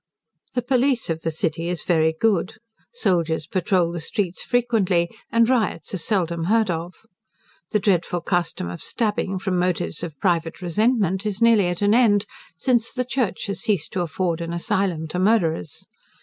The police of the city is very good. Soldiers patrole the streets frequently, and riots are seldom heard of. The dreadful custom of stabbing, from motives of private resentment, is nearly at an end, since the church has ceased to afford an asylum to murderers.